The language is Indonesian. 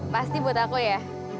pasti buat aku ya